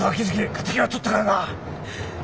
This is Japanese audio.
敵はとったからな！